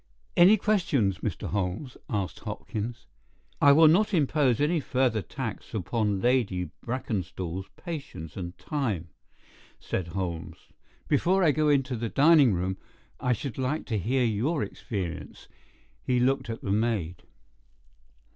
"Any questions, Mr. Holmes?" asked Hopkins. "I will not impose any further tax upon Lady Brackenstall's patience and time," said Holmes. "Before I go into the dining room, I should like to hear your experience." He looked at the maid.